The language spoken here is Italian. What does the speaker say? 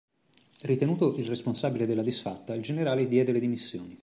Ritenuto il responsabile della disfatta, il generale diede le dimissioni.